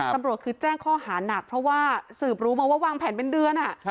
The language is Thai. ตำรวจคือแจ้งข้อหานักเพราะว่าสืบรู้มาว่าวางแผนเป็นเดือน